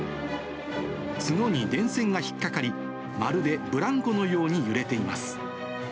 角に電線が引っ掛かり、まるでブランコのように揺れています。